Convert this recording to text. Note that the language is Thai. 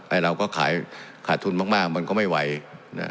เราก็ขายขาดทุนมากมากมันก็ไม่ไหวนะ